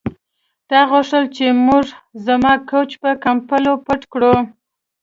تا غوښتل چې موږ زما کوچ په کمپلې پټ کړو